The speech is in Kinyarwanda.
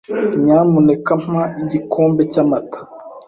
Nyamuneka mpa igikombe cyamata.